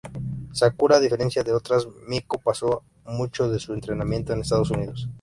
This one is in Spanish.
Sakura a diferencia de otras miko, pasó mucho de su entrenamiento en Estados Unidos.